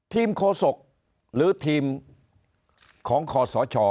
ทีมโคศกหรือทีมของขสช